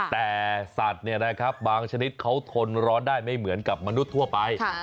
แต่สัตว์บางชนิดเขาทนร้อนได้ไม่เหมือนกับมนุษย์ทั่วไป